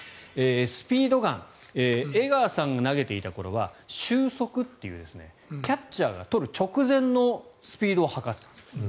スピードガン江川さんが投げていた頃は終速というキャッチャーがとる直前のスピードを測っていました。